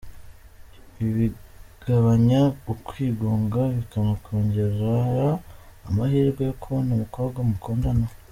Ibi bigabanya ukwigunga, bikanakongerera amahirwe yo kubona umukobwa mukundana.